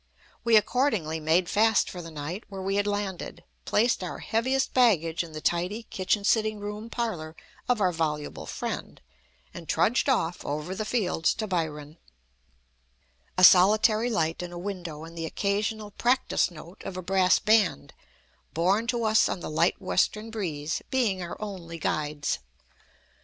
We accordingly made fast for the night where we had landed, placed our heaviest baggage in the tidy kitchen sitting room parlor of our voluble friend, and trudged off over the fields to Byron, a solitary light in a window and the occasional practice note of a brass band, borne to us on the light western breeze, being our only guides.